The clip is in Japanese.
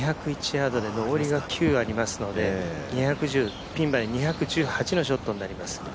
２０１ヤードで、上りが９ありますのでピンまで２１８のショットになります。